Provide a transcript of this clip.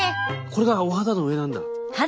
これがお肌の上なんだ。